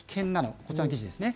こちらの記事ですね。